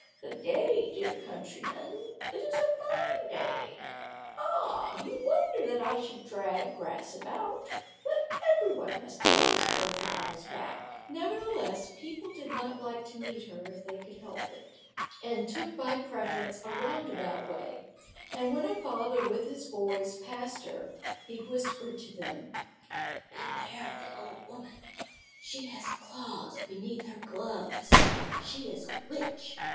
"Good day, dear countryman, it is a fine day. Ah! you wonder that I should drag grass about, but every one must take his burthen on his back." Nevertheless, people did not like to meet her if they could help it, and took by preference a round about way, and when a father with his boys passed her, he whispered to them, "Beware of the old woman. She has claws beneath her gloves; she is a witch."